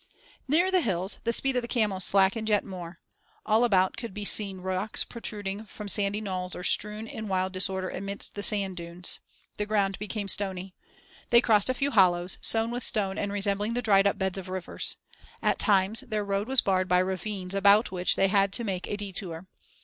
Near the hills the speed of the camels slackened yet more. All about could be seen rocks protruding from sandy knolls or strewn in wild disorder amidst the sand dunes. The ground became stony. They crossed a few hollows, sown with stone and resembling the dried up beds of rivers. At times their road was barred by ravines about which they had to make a detour.